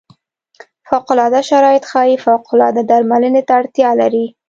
فوق العاده شرایط ښايي فوق العاده درملنې ته اړتیا لري.